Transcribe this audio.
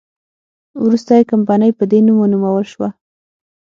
وروسته یې کمپنۍ په دې نوم ونومول شوه.